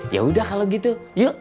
yaudah kalau gitu yuk